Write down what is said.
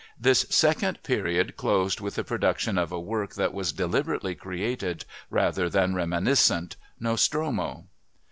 This second period closed with the production of a work that was deliberately created rather than reminiscent, Nostromo.